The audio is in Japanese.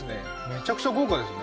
めちゃくちゃ豪華ですね